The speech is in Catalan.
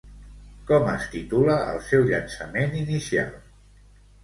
Com es titula el seu llançament inicial?